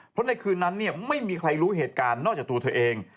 เพราะในคืนนั้นไม่มีใครรู้เหตุการณ์นอกจากตัวเธอเอง